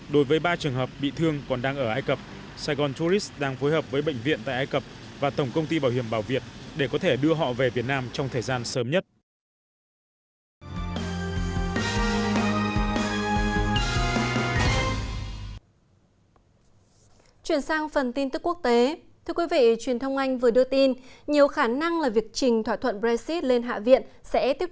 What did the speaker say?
đối với ba trường hợp bị thương còn đang ở ai cập saigon tourist đang phối hợp với bệnh viện tại ai cập và tổng công ty bảo hiểm bảo việt để có thể đưa họ về việt nam trong thời gian sớm nhất